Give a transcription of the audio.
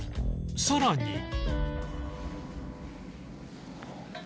さらに